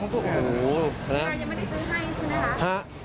ลูกค้ายังไม่ได้ซื้อใช่ไหมครับ